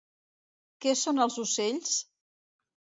Què són els ocells?